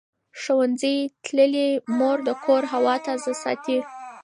ښوونځې تللې مور د کور هوا تازه ساتي.